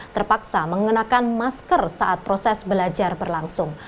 terpaksa mengenakan masker saat proses belajar berlangsung